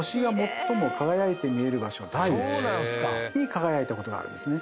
輝いたことがあるんですね。